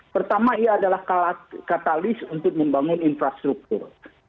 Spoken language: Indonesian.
pertama ia adalah katalis untuk membangun infrastruktur